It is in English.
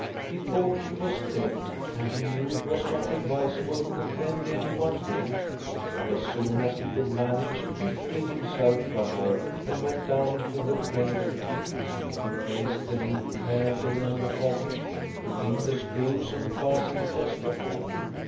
He thought she was dead, and he knew it was not advisable to offend anyone dead. But as soon as he could manage, he freed himself from her and went down into the grave again. He placed the lid carefully on the coffin, put in the screws and fastened it as before.